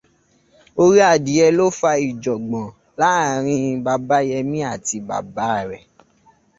Orí adìyẹ ló fà ìjọ̀gbọ̀n láàrin Babáyẹmí àti bàbá rẹ̀